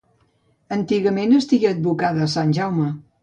Antigament estigué advocada a Sant Jaume.